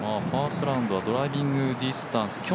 ファーストラウンドはドライビングディスタンス